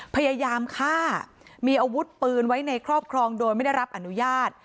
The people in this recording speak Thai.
พยายามฆ่ามีอาวุธปืนไว้ในครอบครองโดยไม่ได้รับอนุญาต